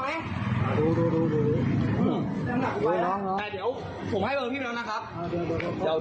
กระดูกดูดูดูแล้วเดี๋ยวผมให้เริ่มอีกแล้วนะครับ